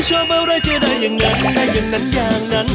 ชอบอะไรเจอได้อย่างนั้นได้อย่างนั้นอย่างนั้น